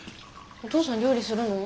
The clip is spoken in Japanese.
お父さん料理するの？